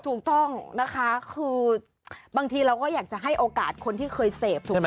ถูกต้องนะคะคือบางทีเราก็อยากจะให้โอกาสคนที่เคยเสพถูกไหม